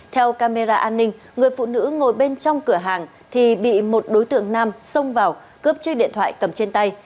theo camera an ninh người phụ nữ ngồi bên trong cửa hàng thì bị một đối tượng nam xông vào cướp chiếc điện thoại cầm trên tay